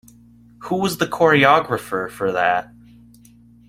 Who was the choreographer for that?